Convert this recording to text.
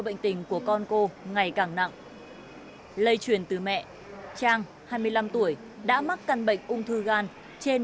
bệnh tình của con cô ngày càng nặng lây truyền từ mẹ trang hai mươi năm tuổi đã mắc căn bệnh ung thư gan trên